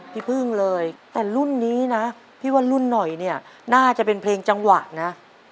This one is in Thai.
พี่พึ่งเลยแต่รุ่นนี้นะพี่ว่ารุ่นหน่อยเนี่ยน่าจะเป็นเพลงจังหวะนะ